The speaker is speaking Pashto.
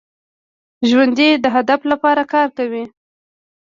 ژوندي د هدف لپاره کار کوي